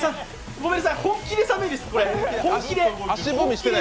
ごめんなさい、本気で寒いです。